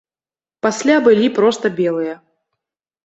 Пасля былі проста белыя.